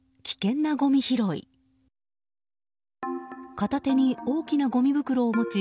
片手に大きなごみ袋を持ち